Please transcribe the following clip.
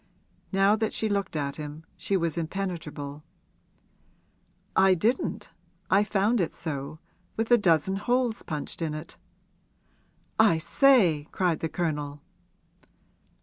Now that she looked at him she was impenetrable. 'I didn't I found it so with a dozen holes punched in it!' 'I say!' cried the Colonel.